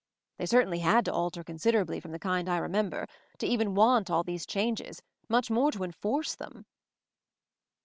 They certainly had to alter considerably from the kind I remember, to even want all these changes, much more to enforce them."